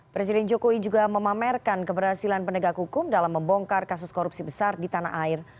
presiden jokowi juga memamerkan keberhasilan penegak hukum dalam membongkar kasus korupsi besar di tanah air